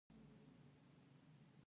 وربشې په للمي ځمکو کې کیږي.